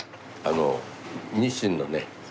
ニシンのね